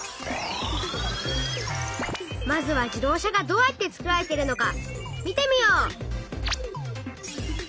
まずは自動車がどうやってつくられているのか見てみよう！